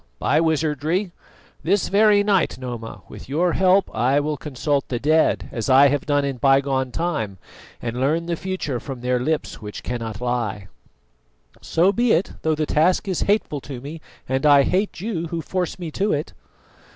By wizardry. This very night, Noma, with your help I will consult the dead, as I have done in bygone time, and learn the future from their lips which cannot lie." "So be it; though the task is hateful to me, and I hate you who force me to it."